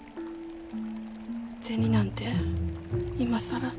銭なんて今更。